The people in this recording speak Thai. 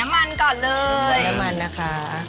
ไม่สิไม่